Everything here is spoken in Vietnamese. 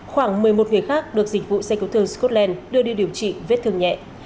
khoảng một mươi một người khác được dịch vụ xe cứu thương scotland đưa đi điều trị vết thương nhẹ